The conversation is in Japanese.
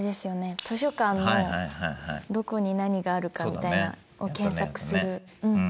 図書館のどこに何があるかみたいなを検索する。